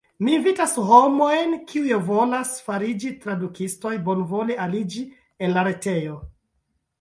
Mi invitas homojn kiuj volas fariĝi tradukistoj bonvole aliĝi en la retejo.